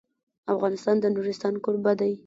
افغانستان د نورستان کوربه دی.